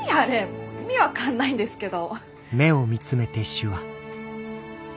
もう意味分かんないんですけど。